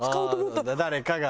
誰かが。